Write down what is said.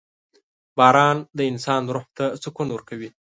• باران د انسان روح ته سکون ورکوي.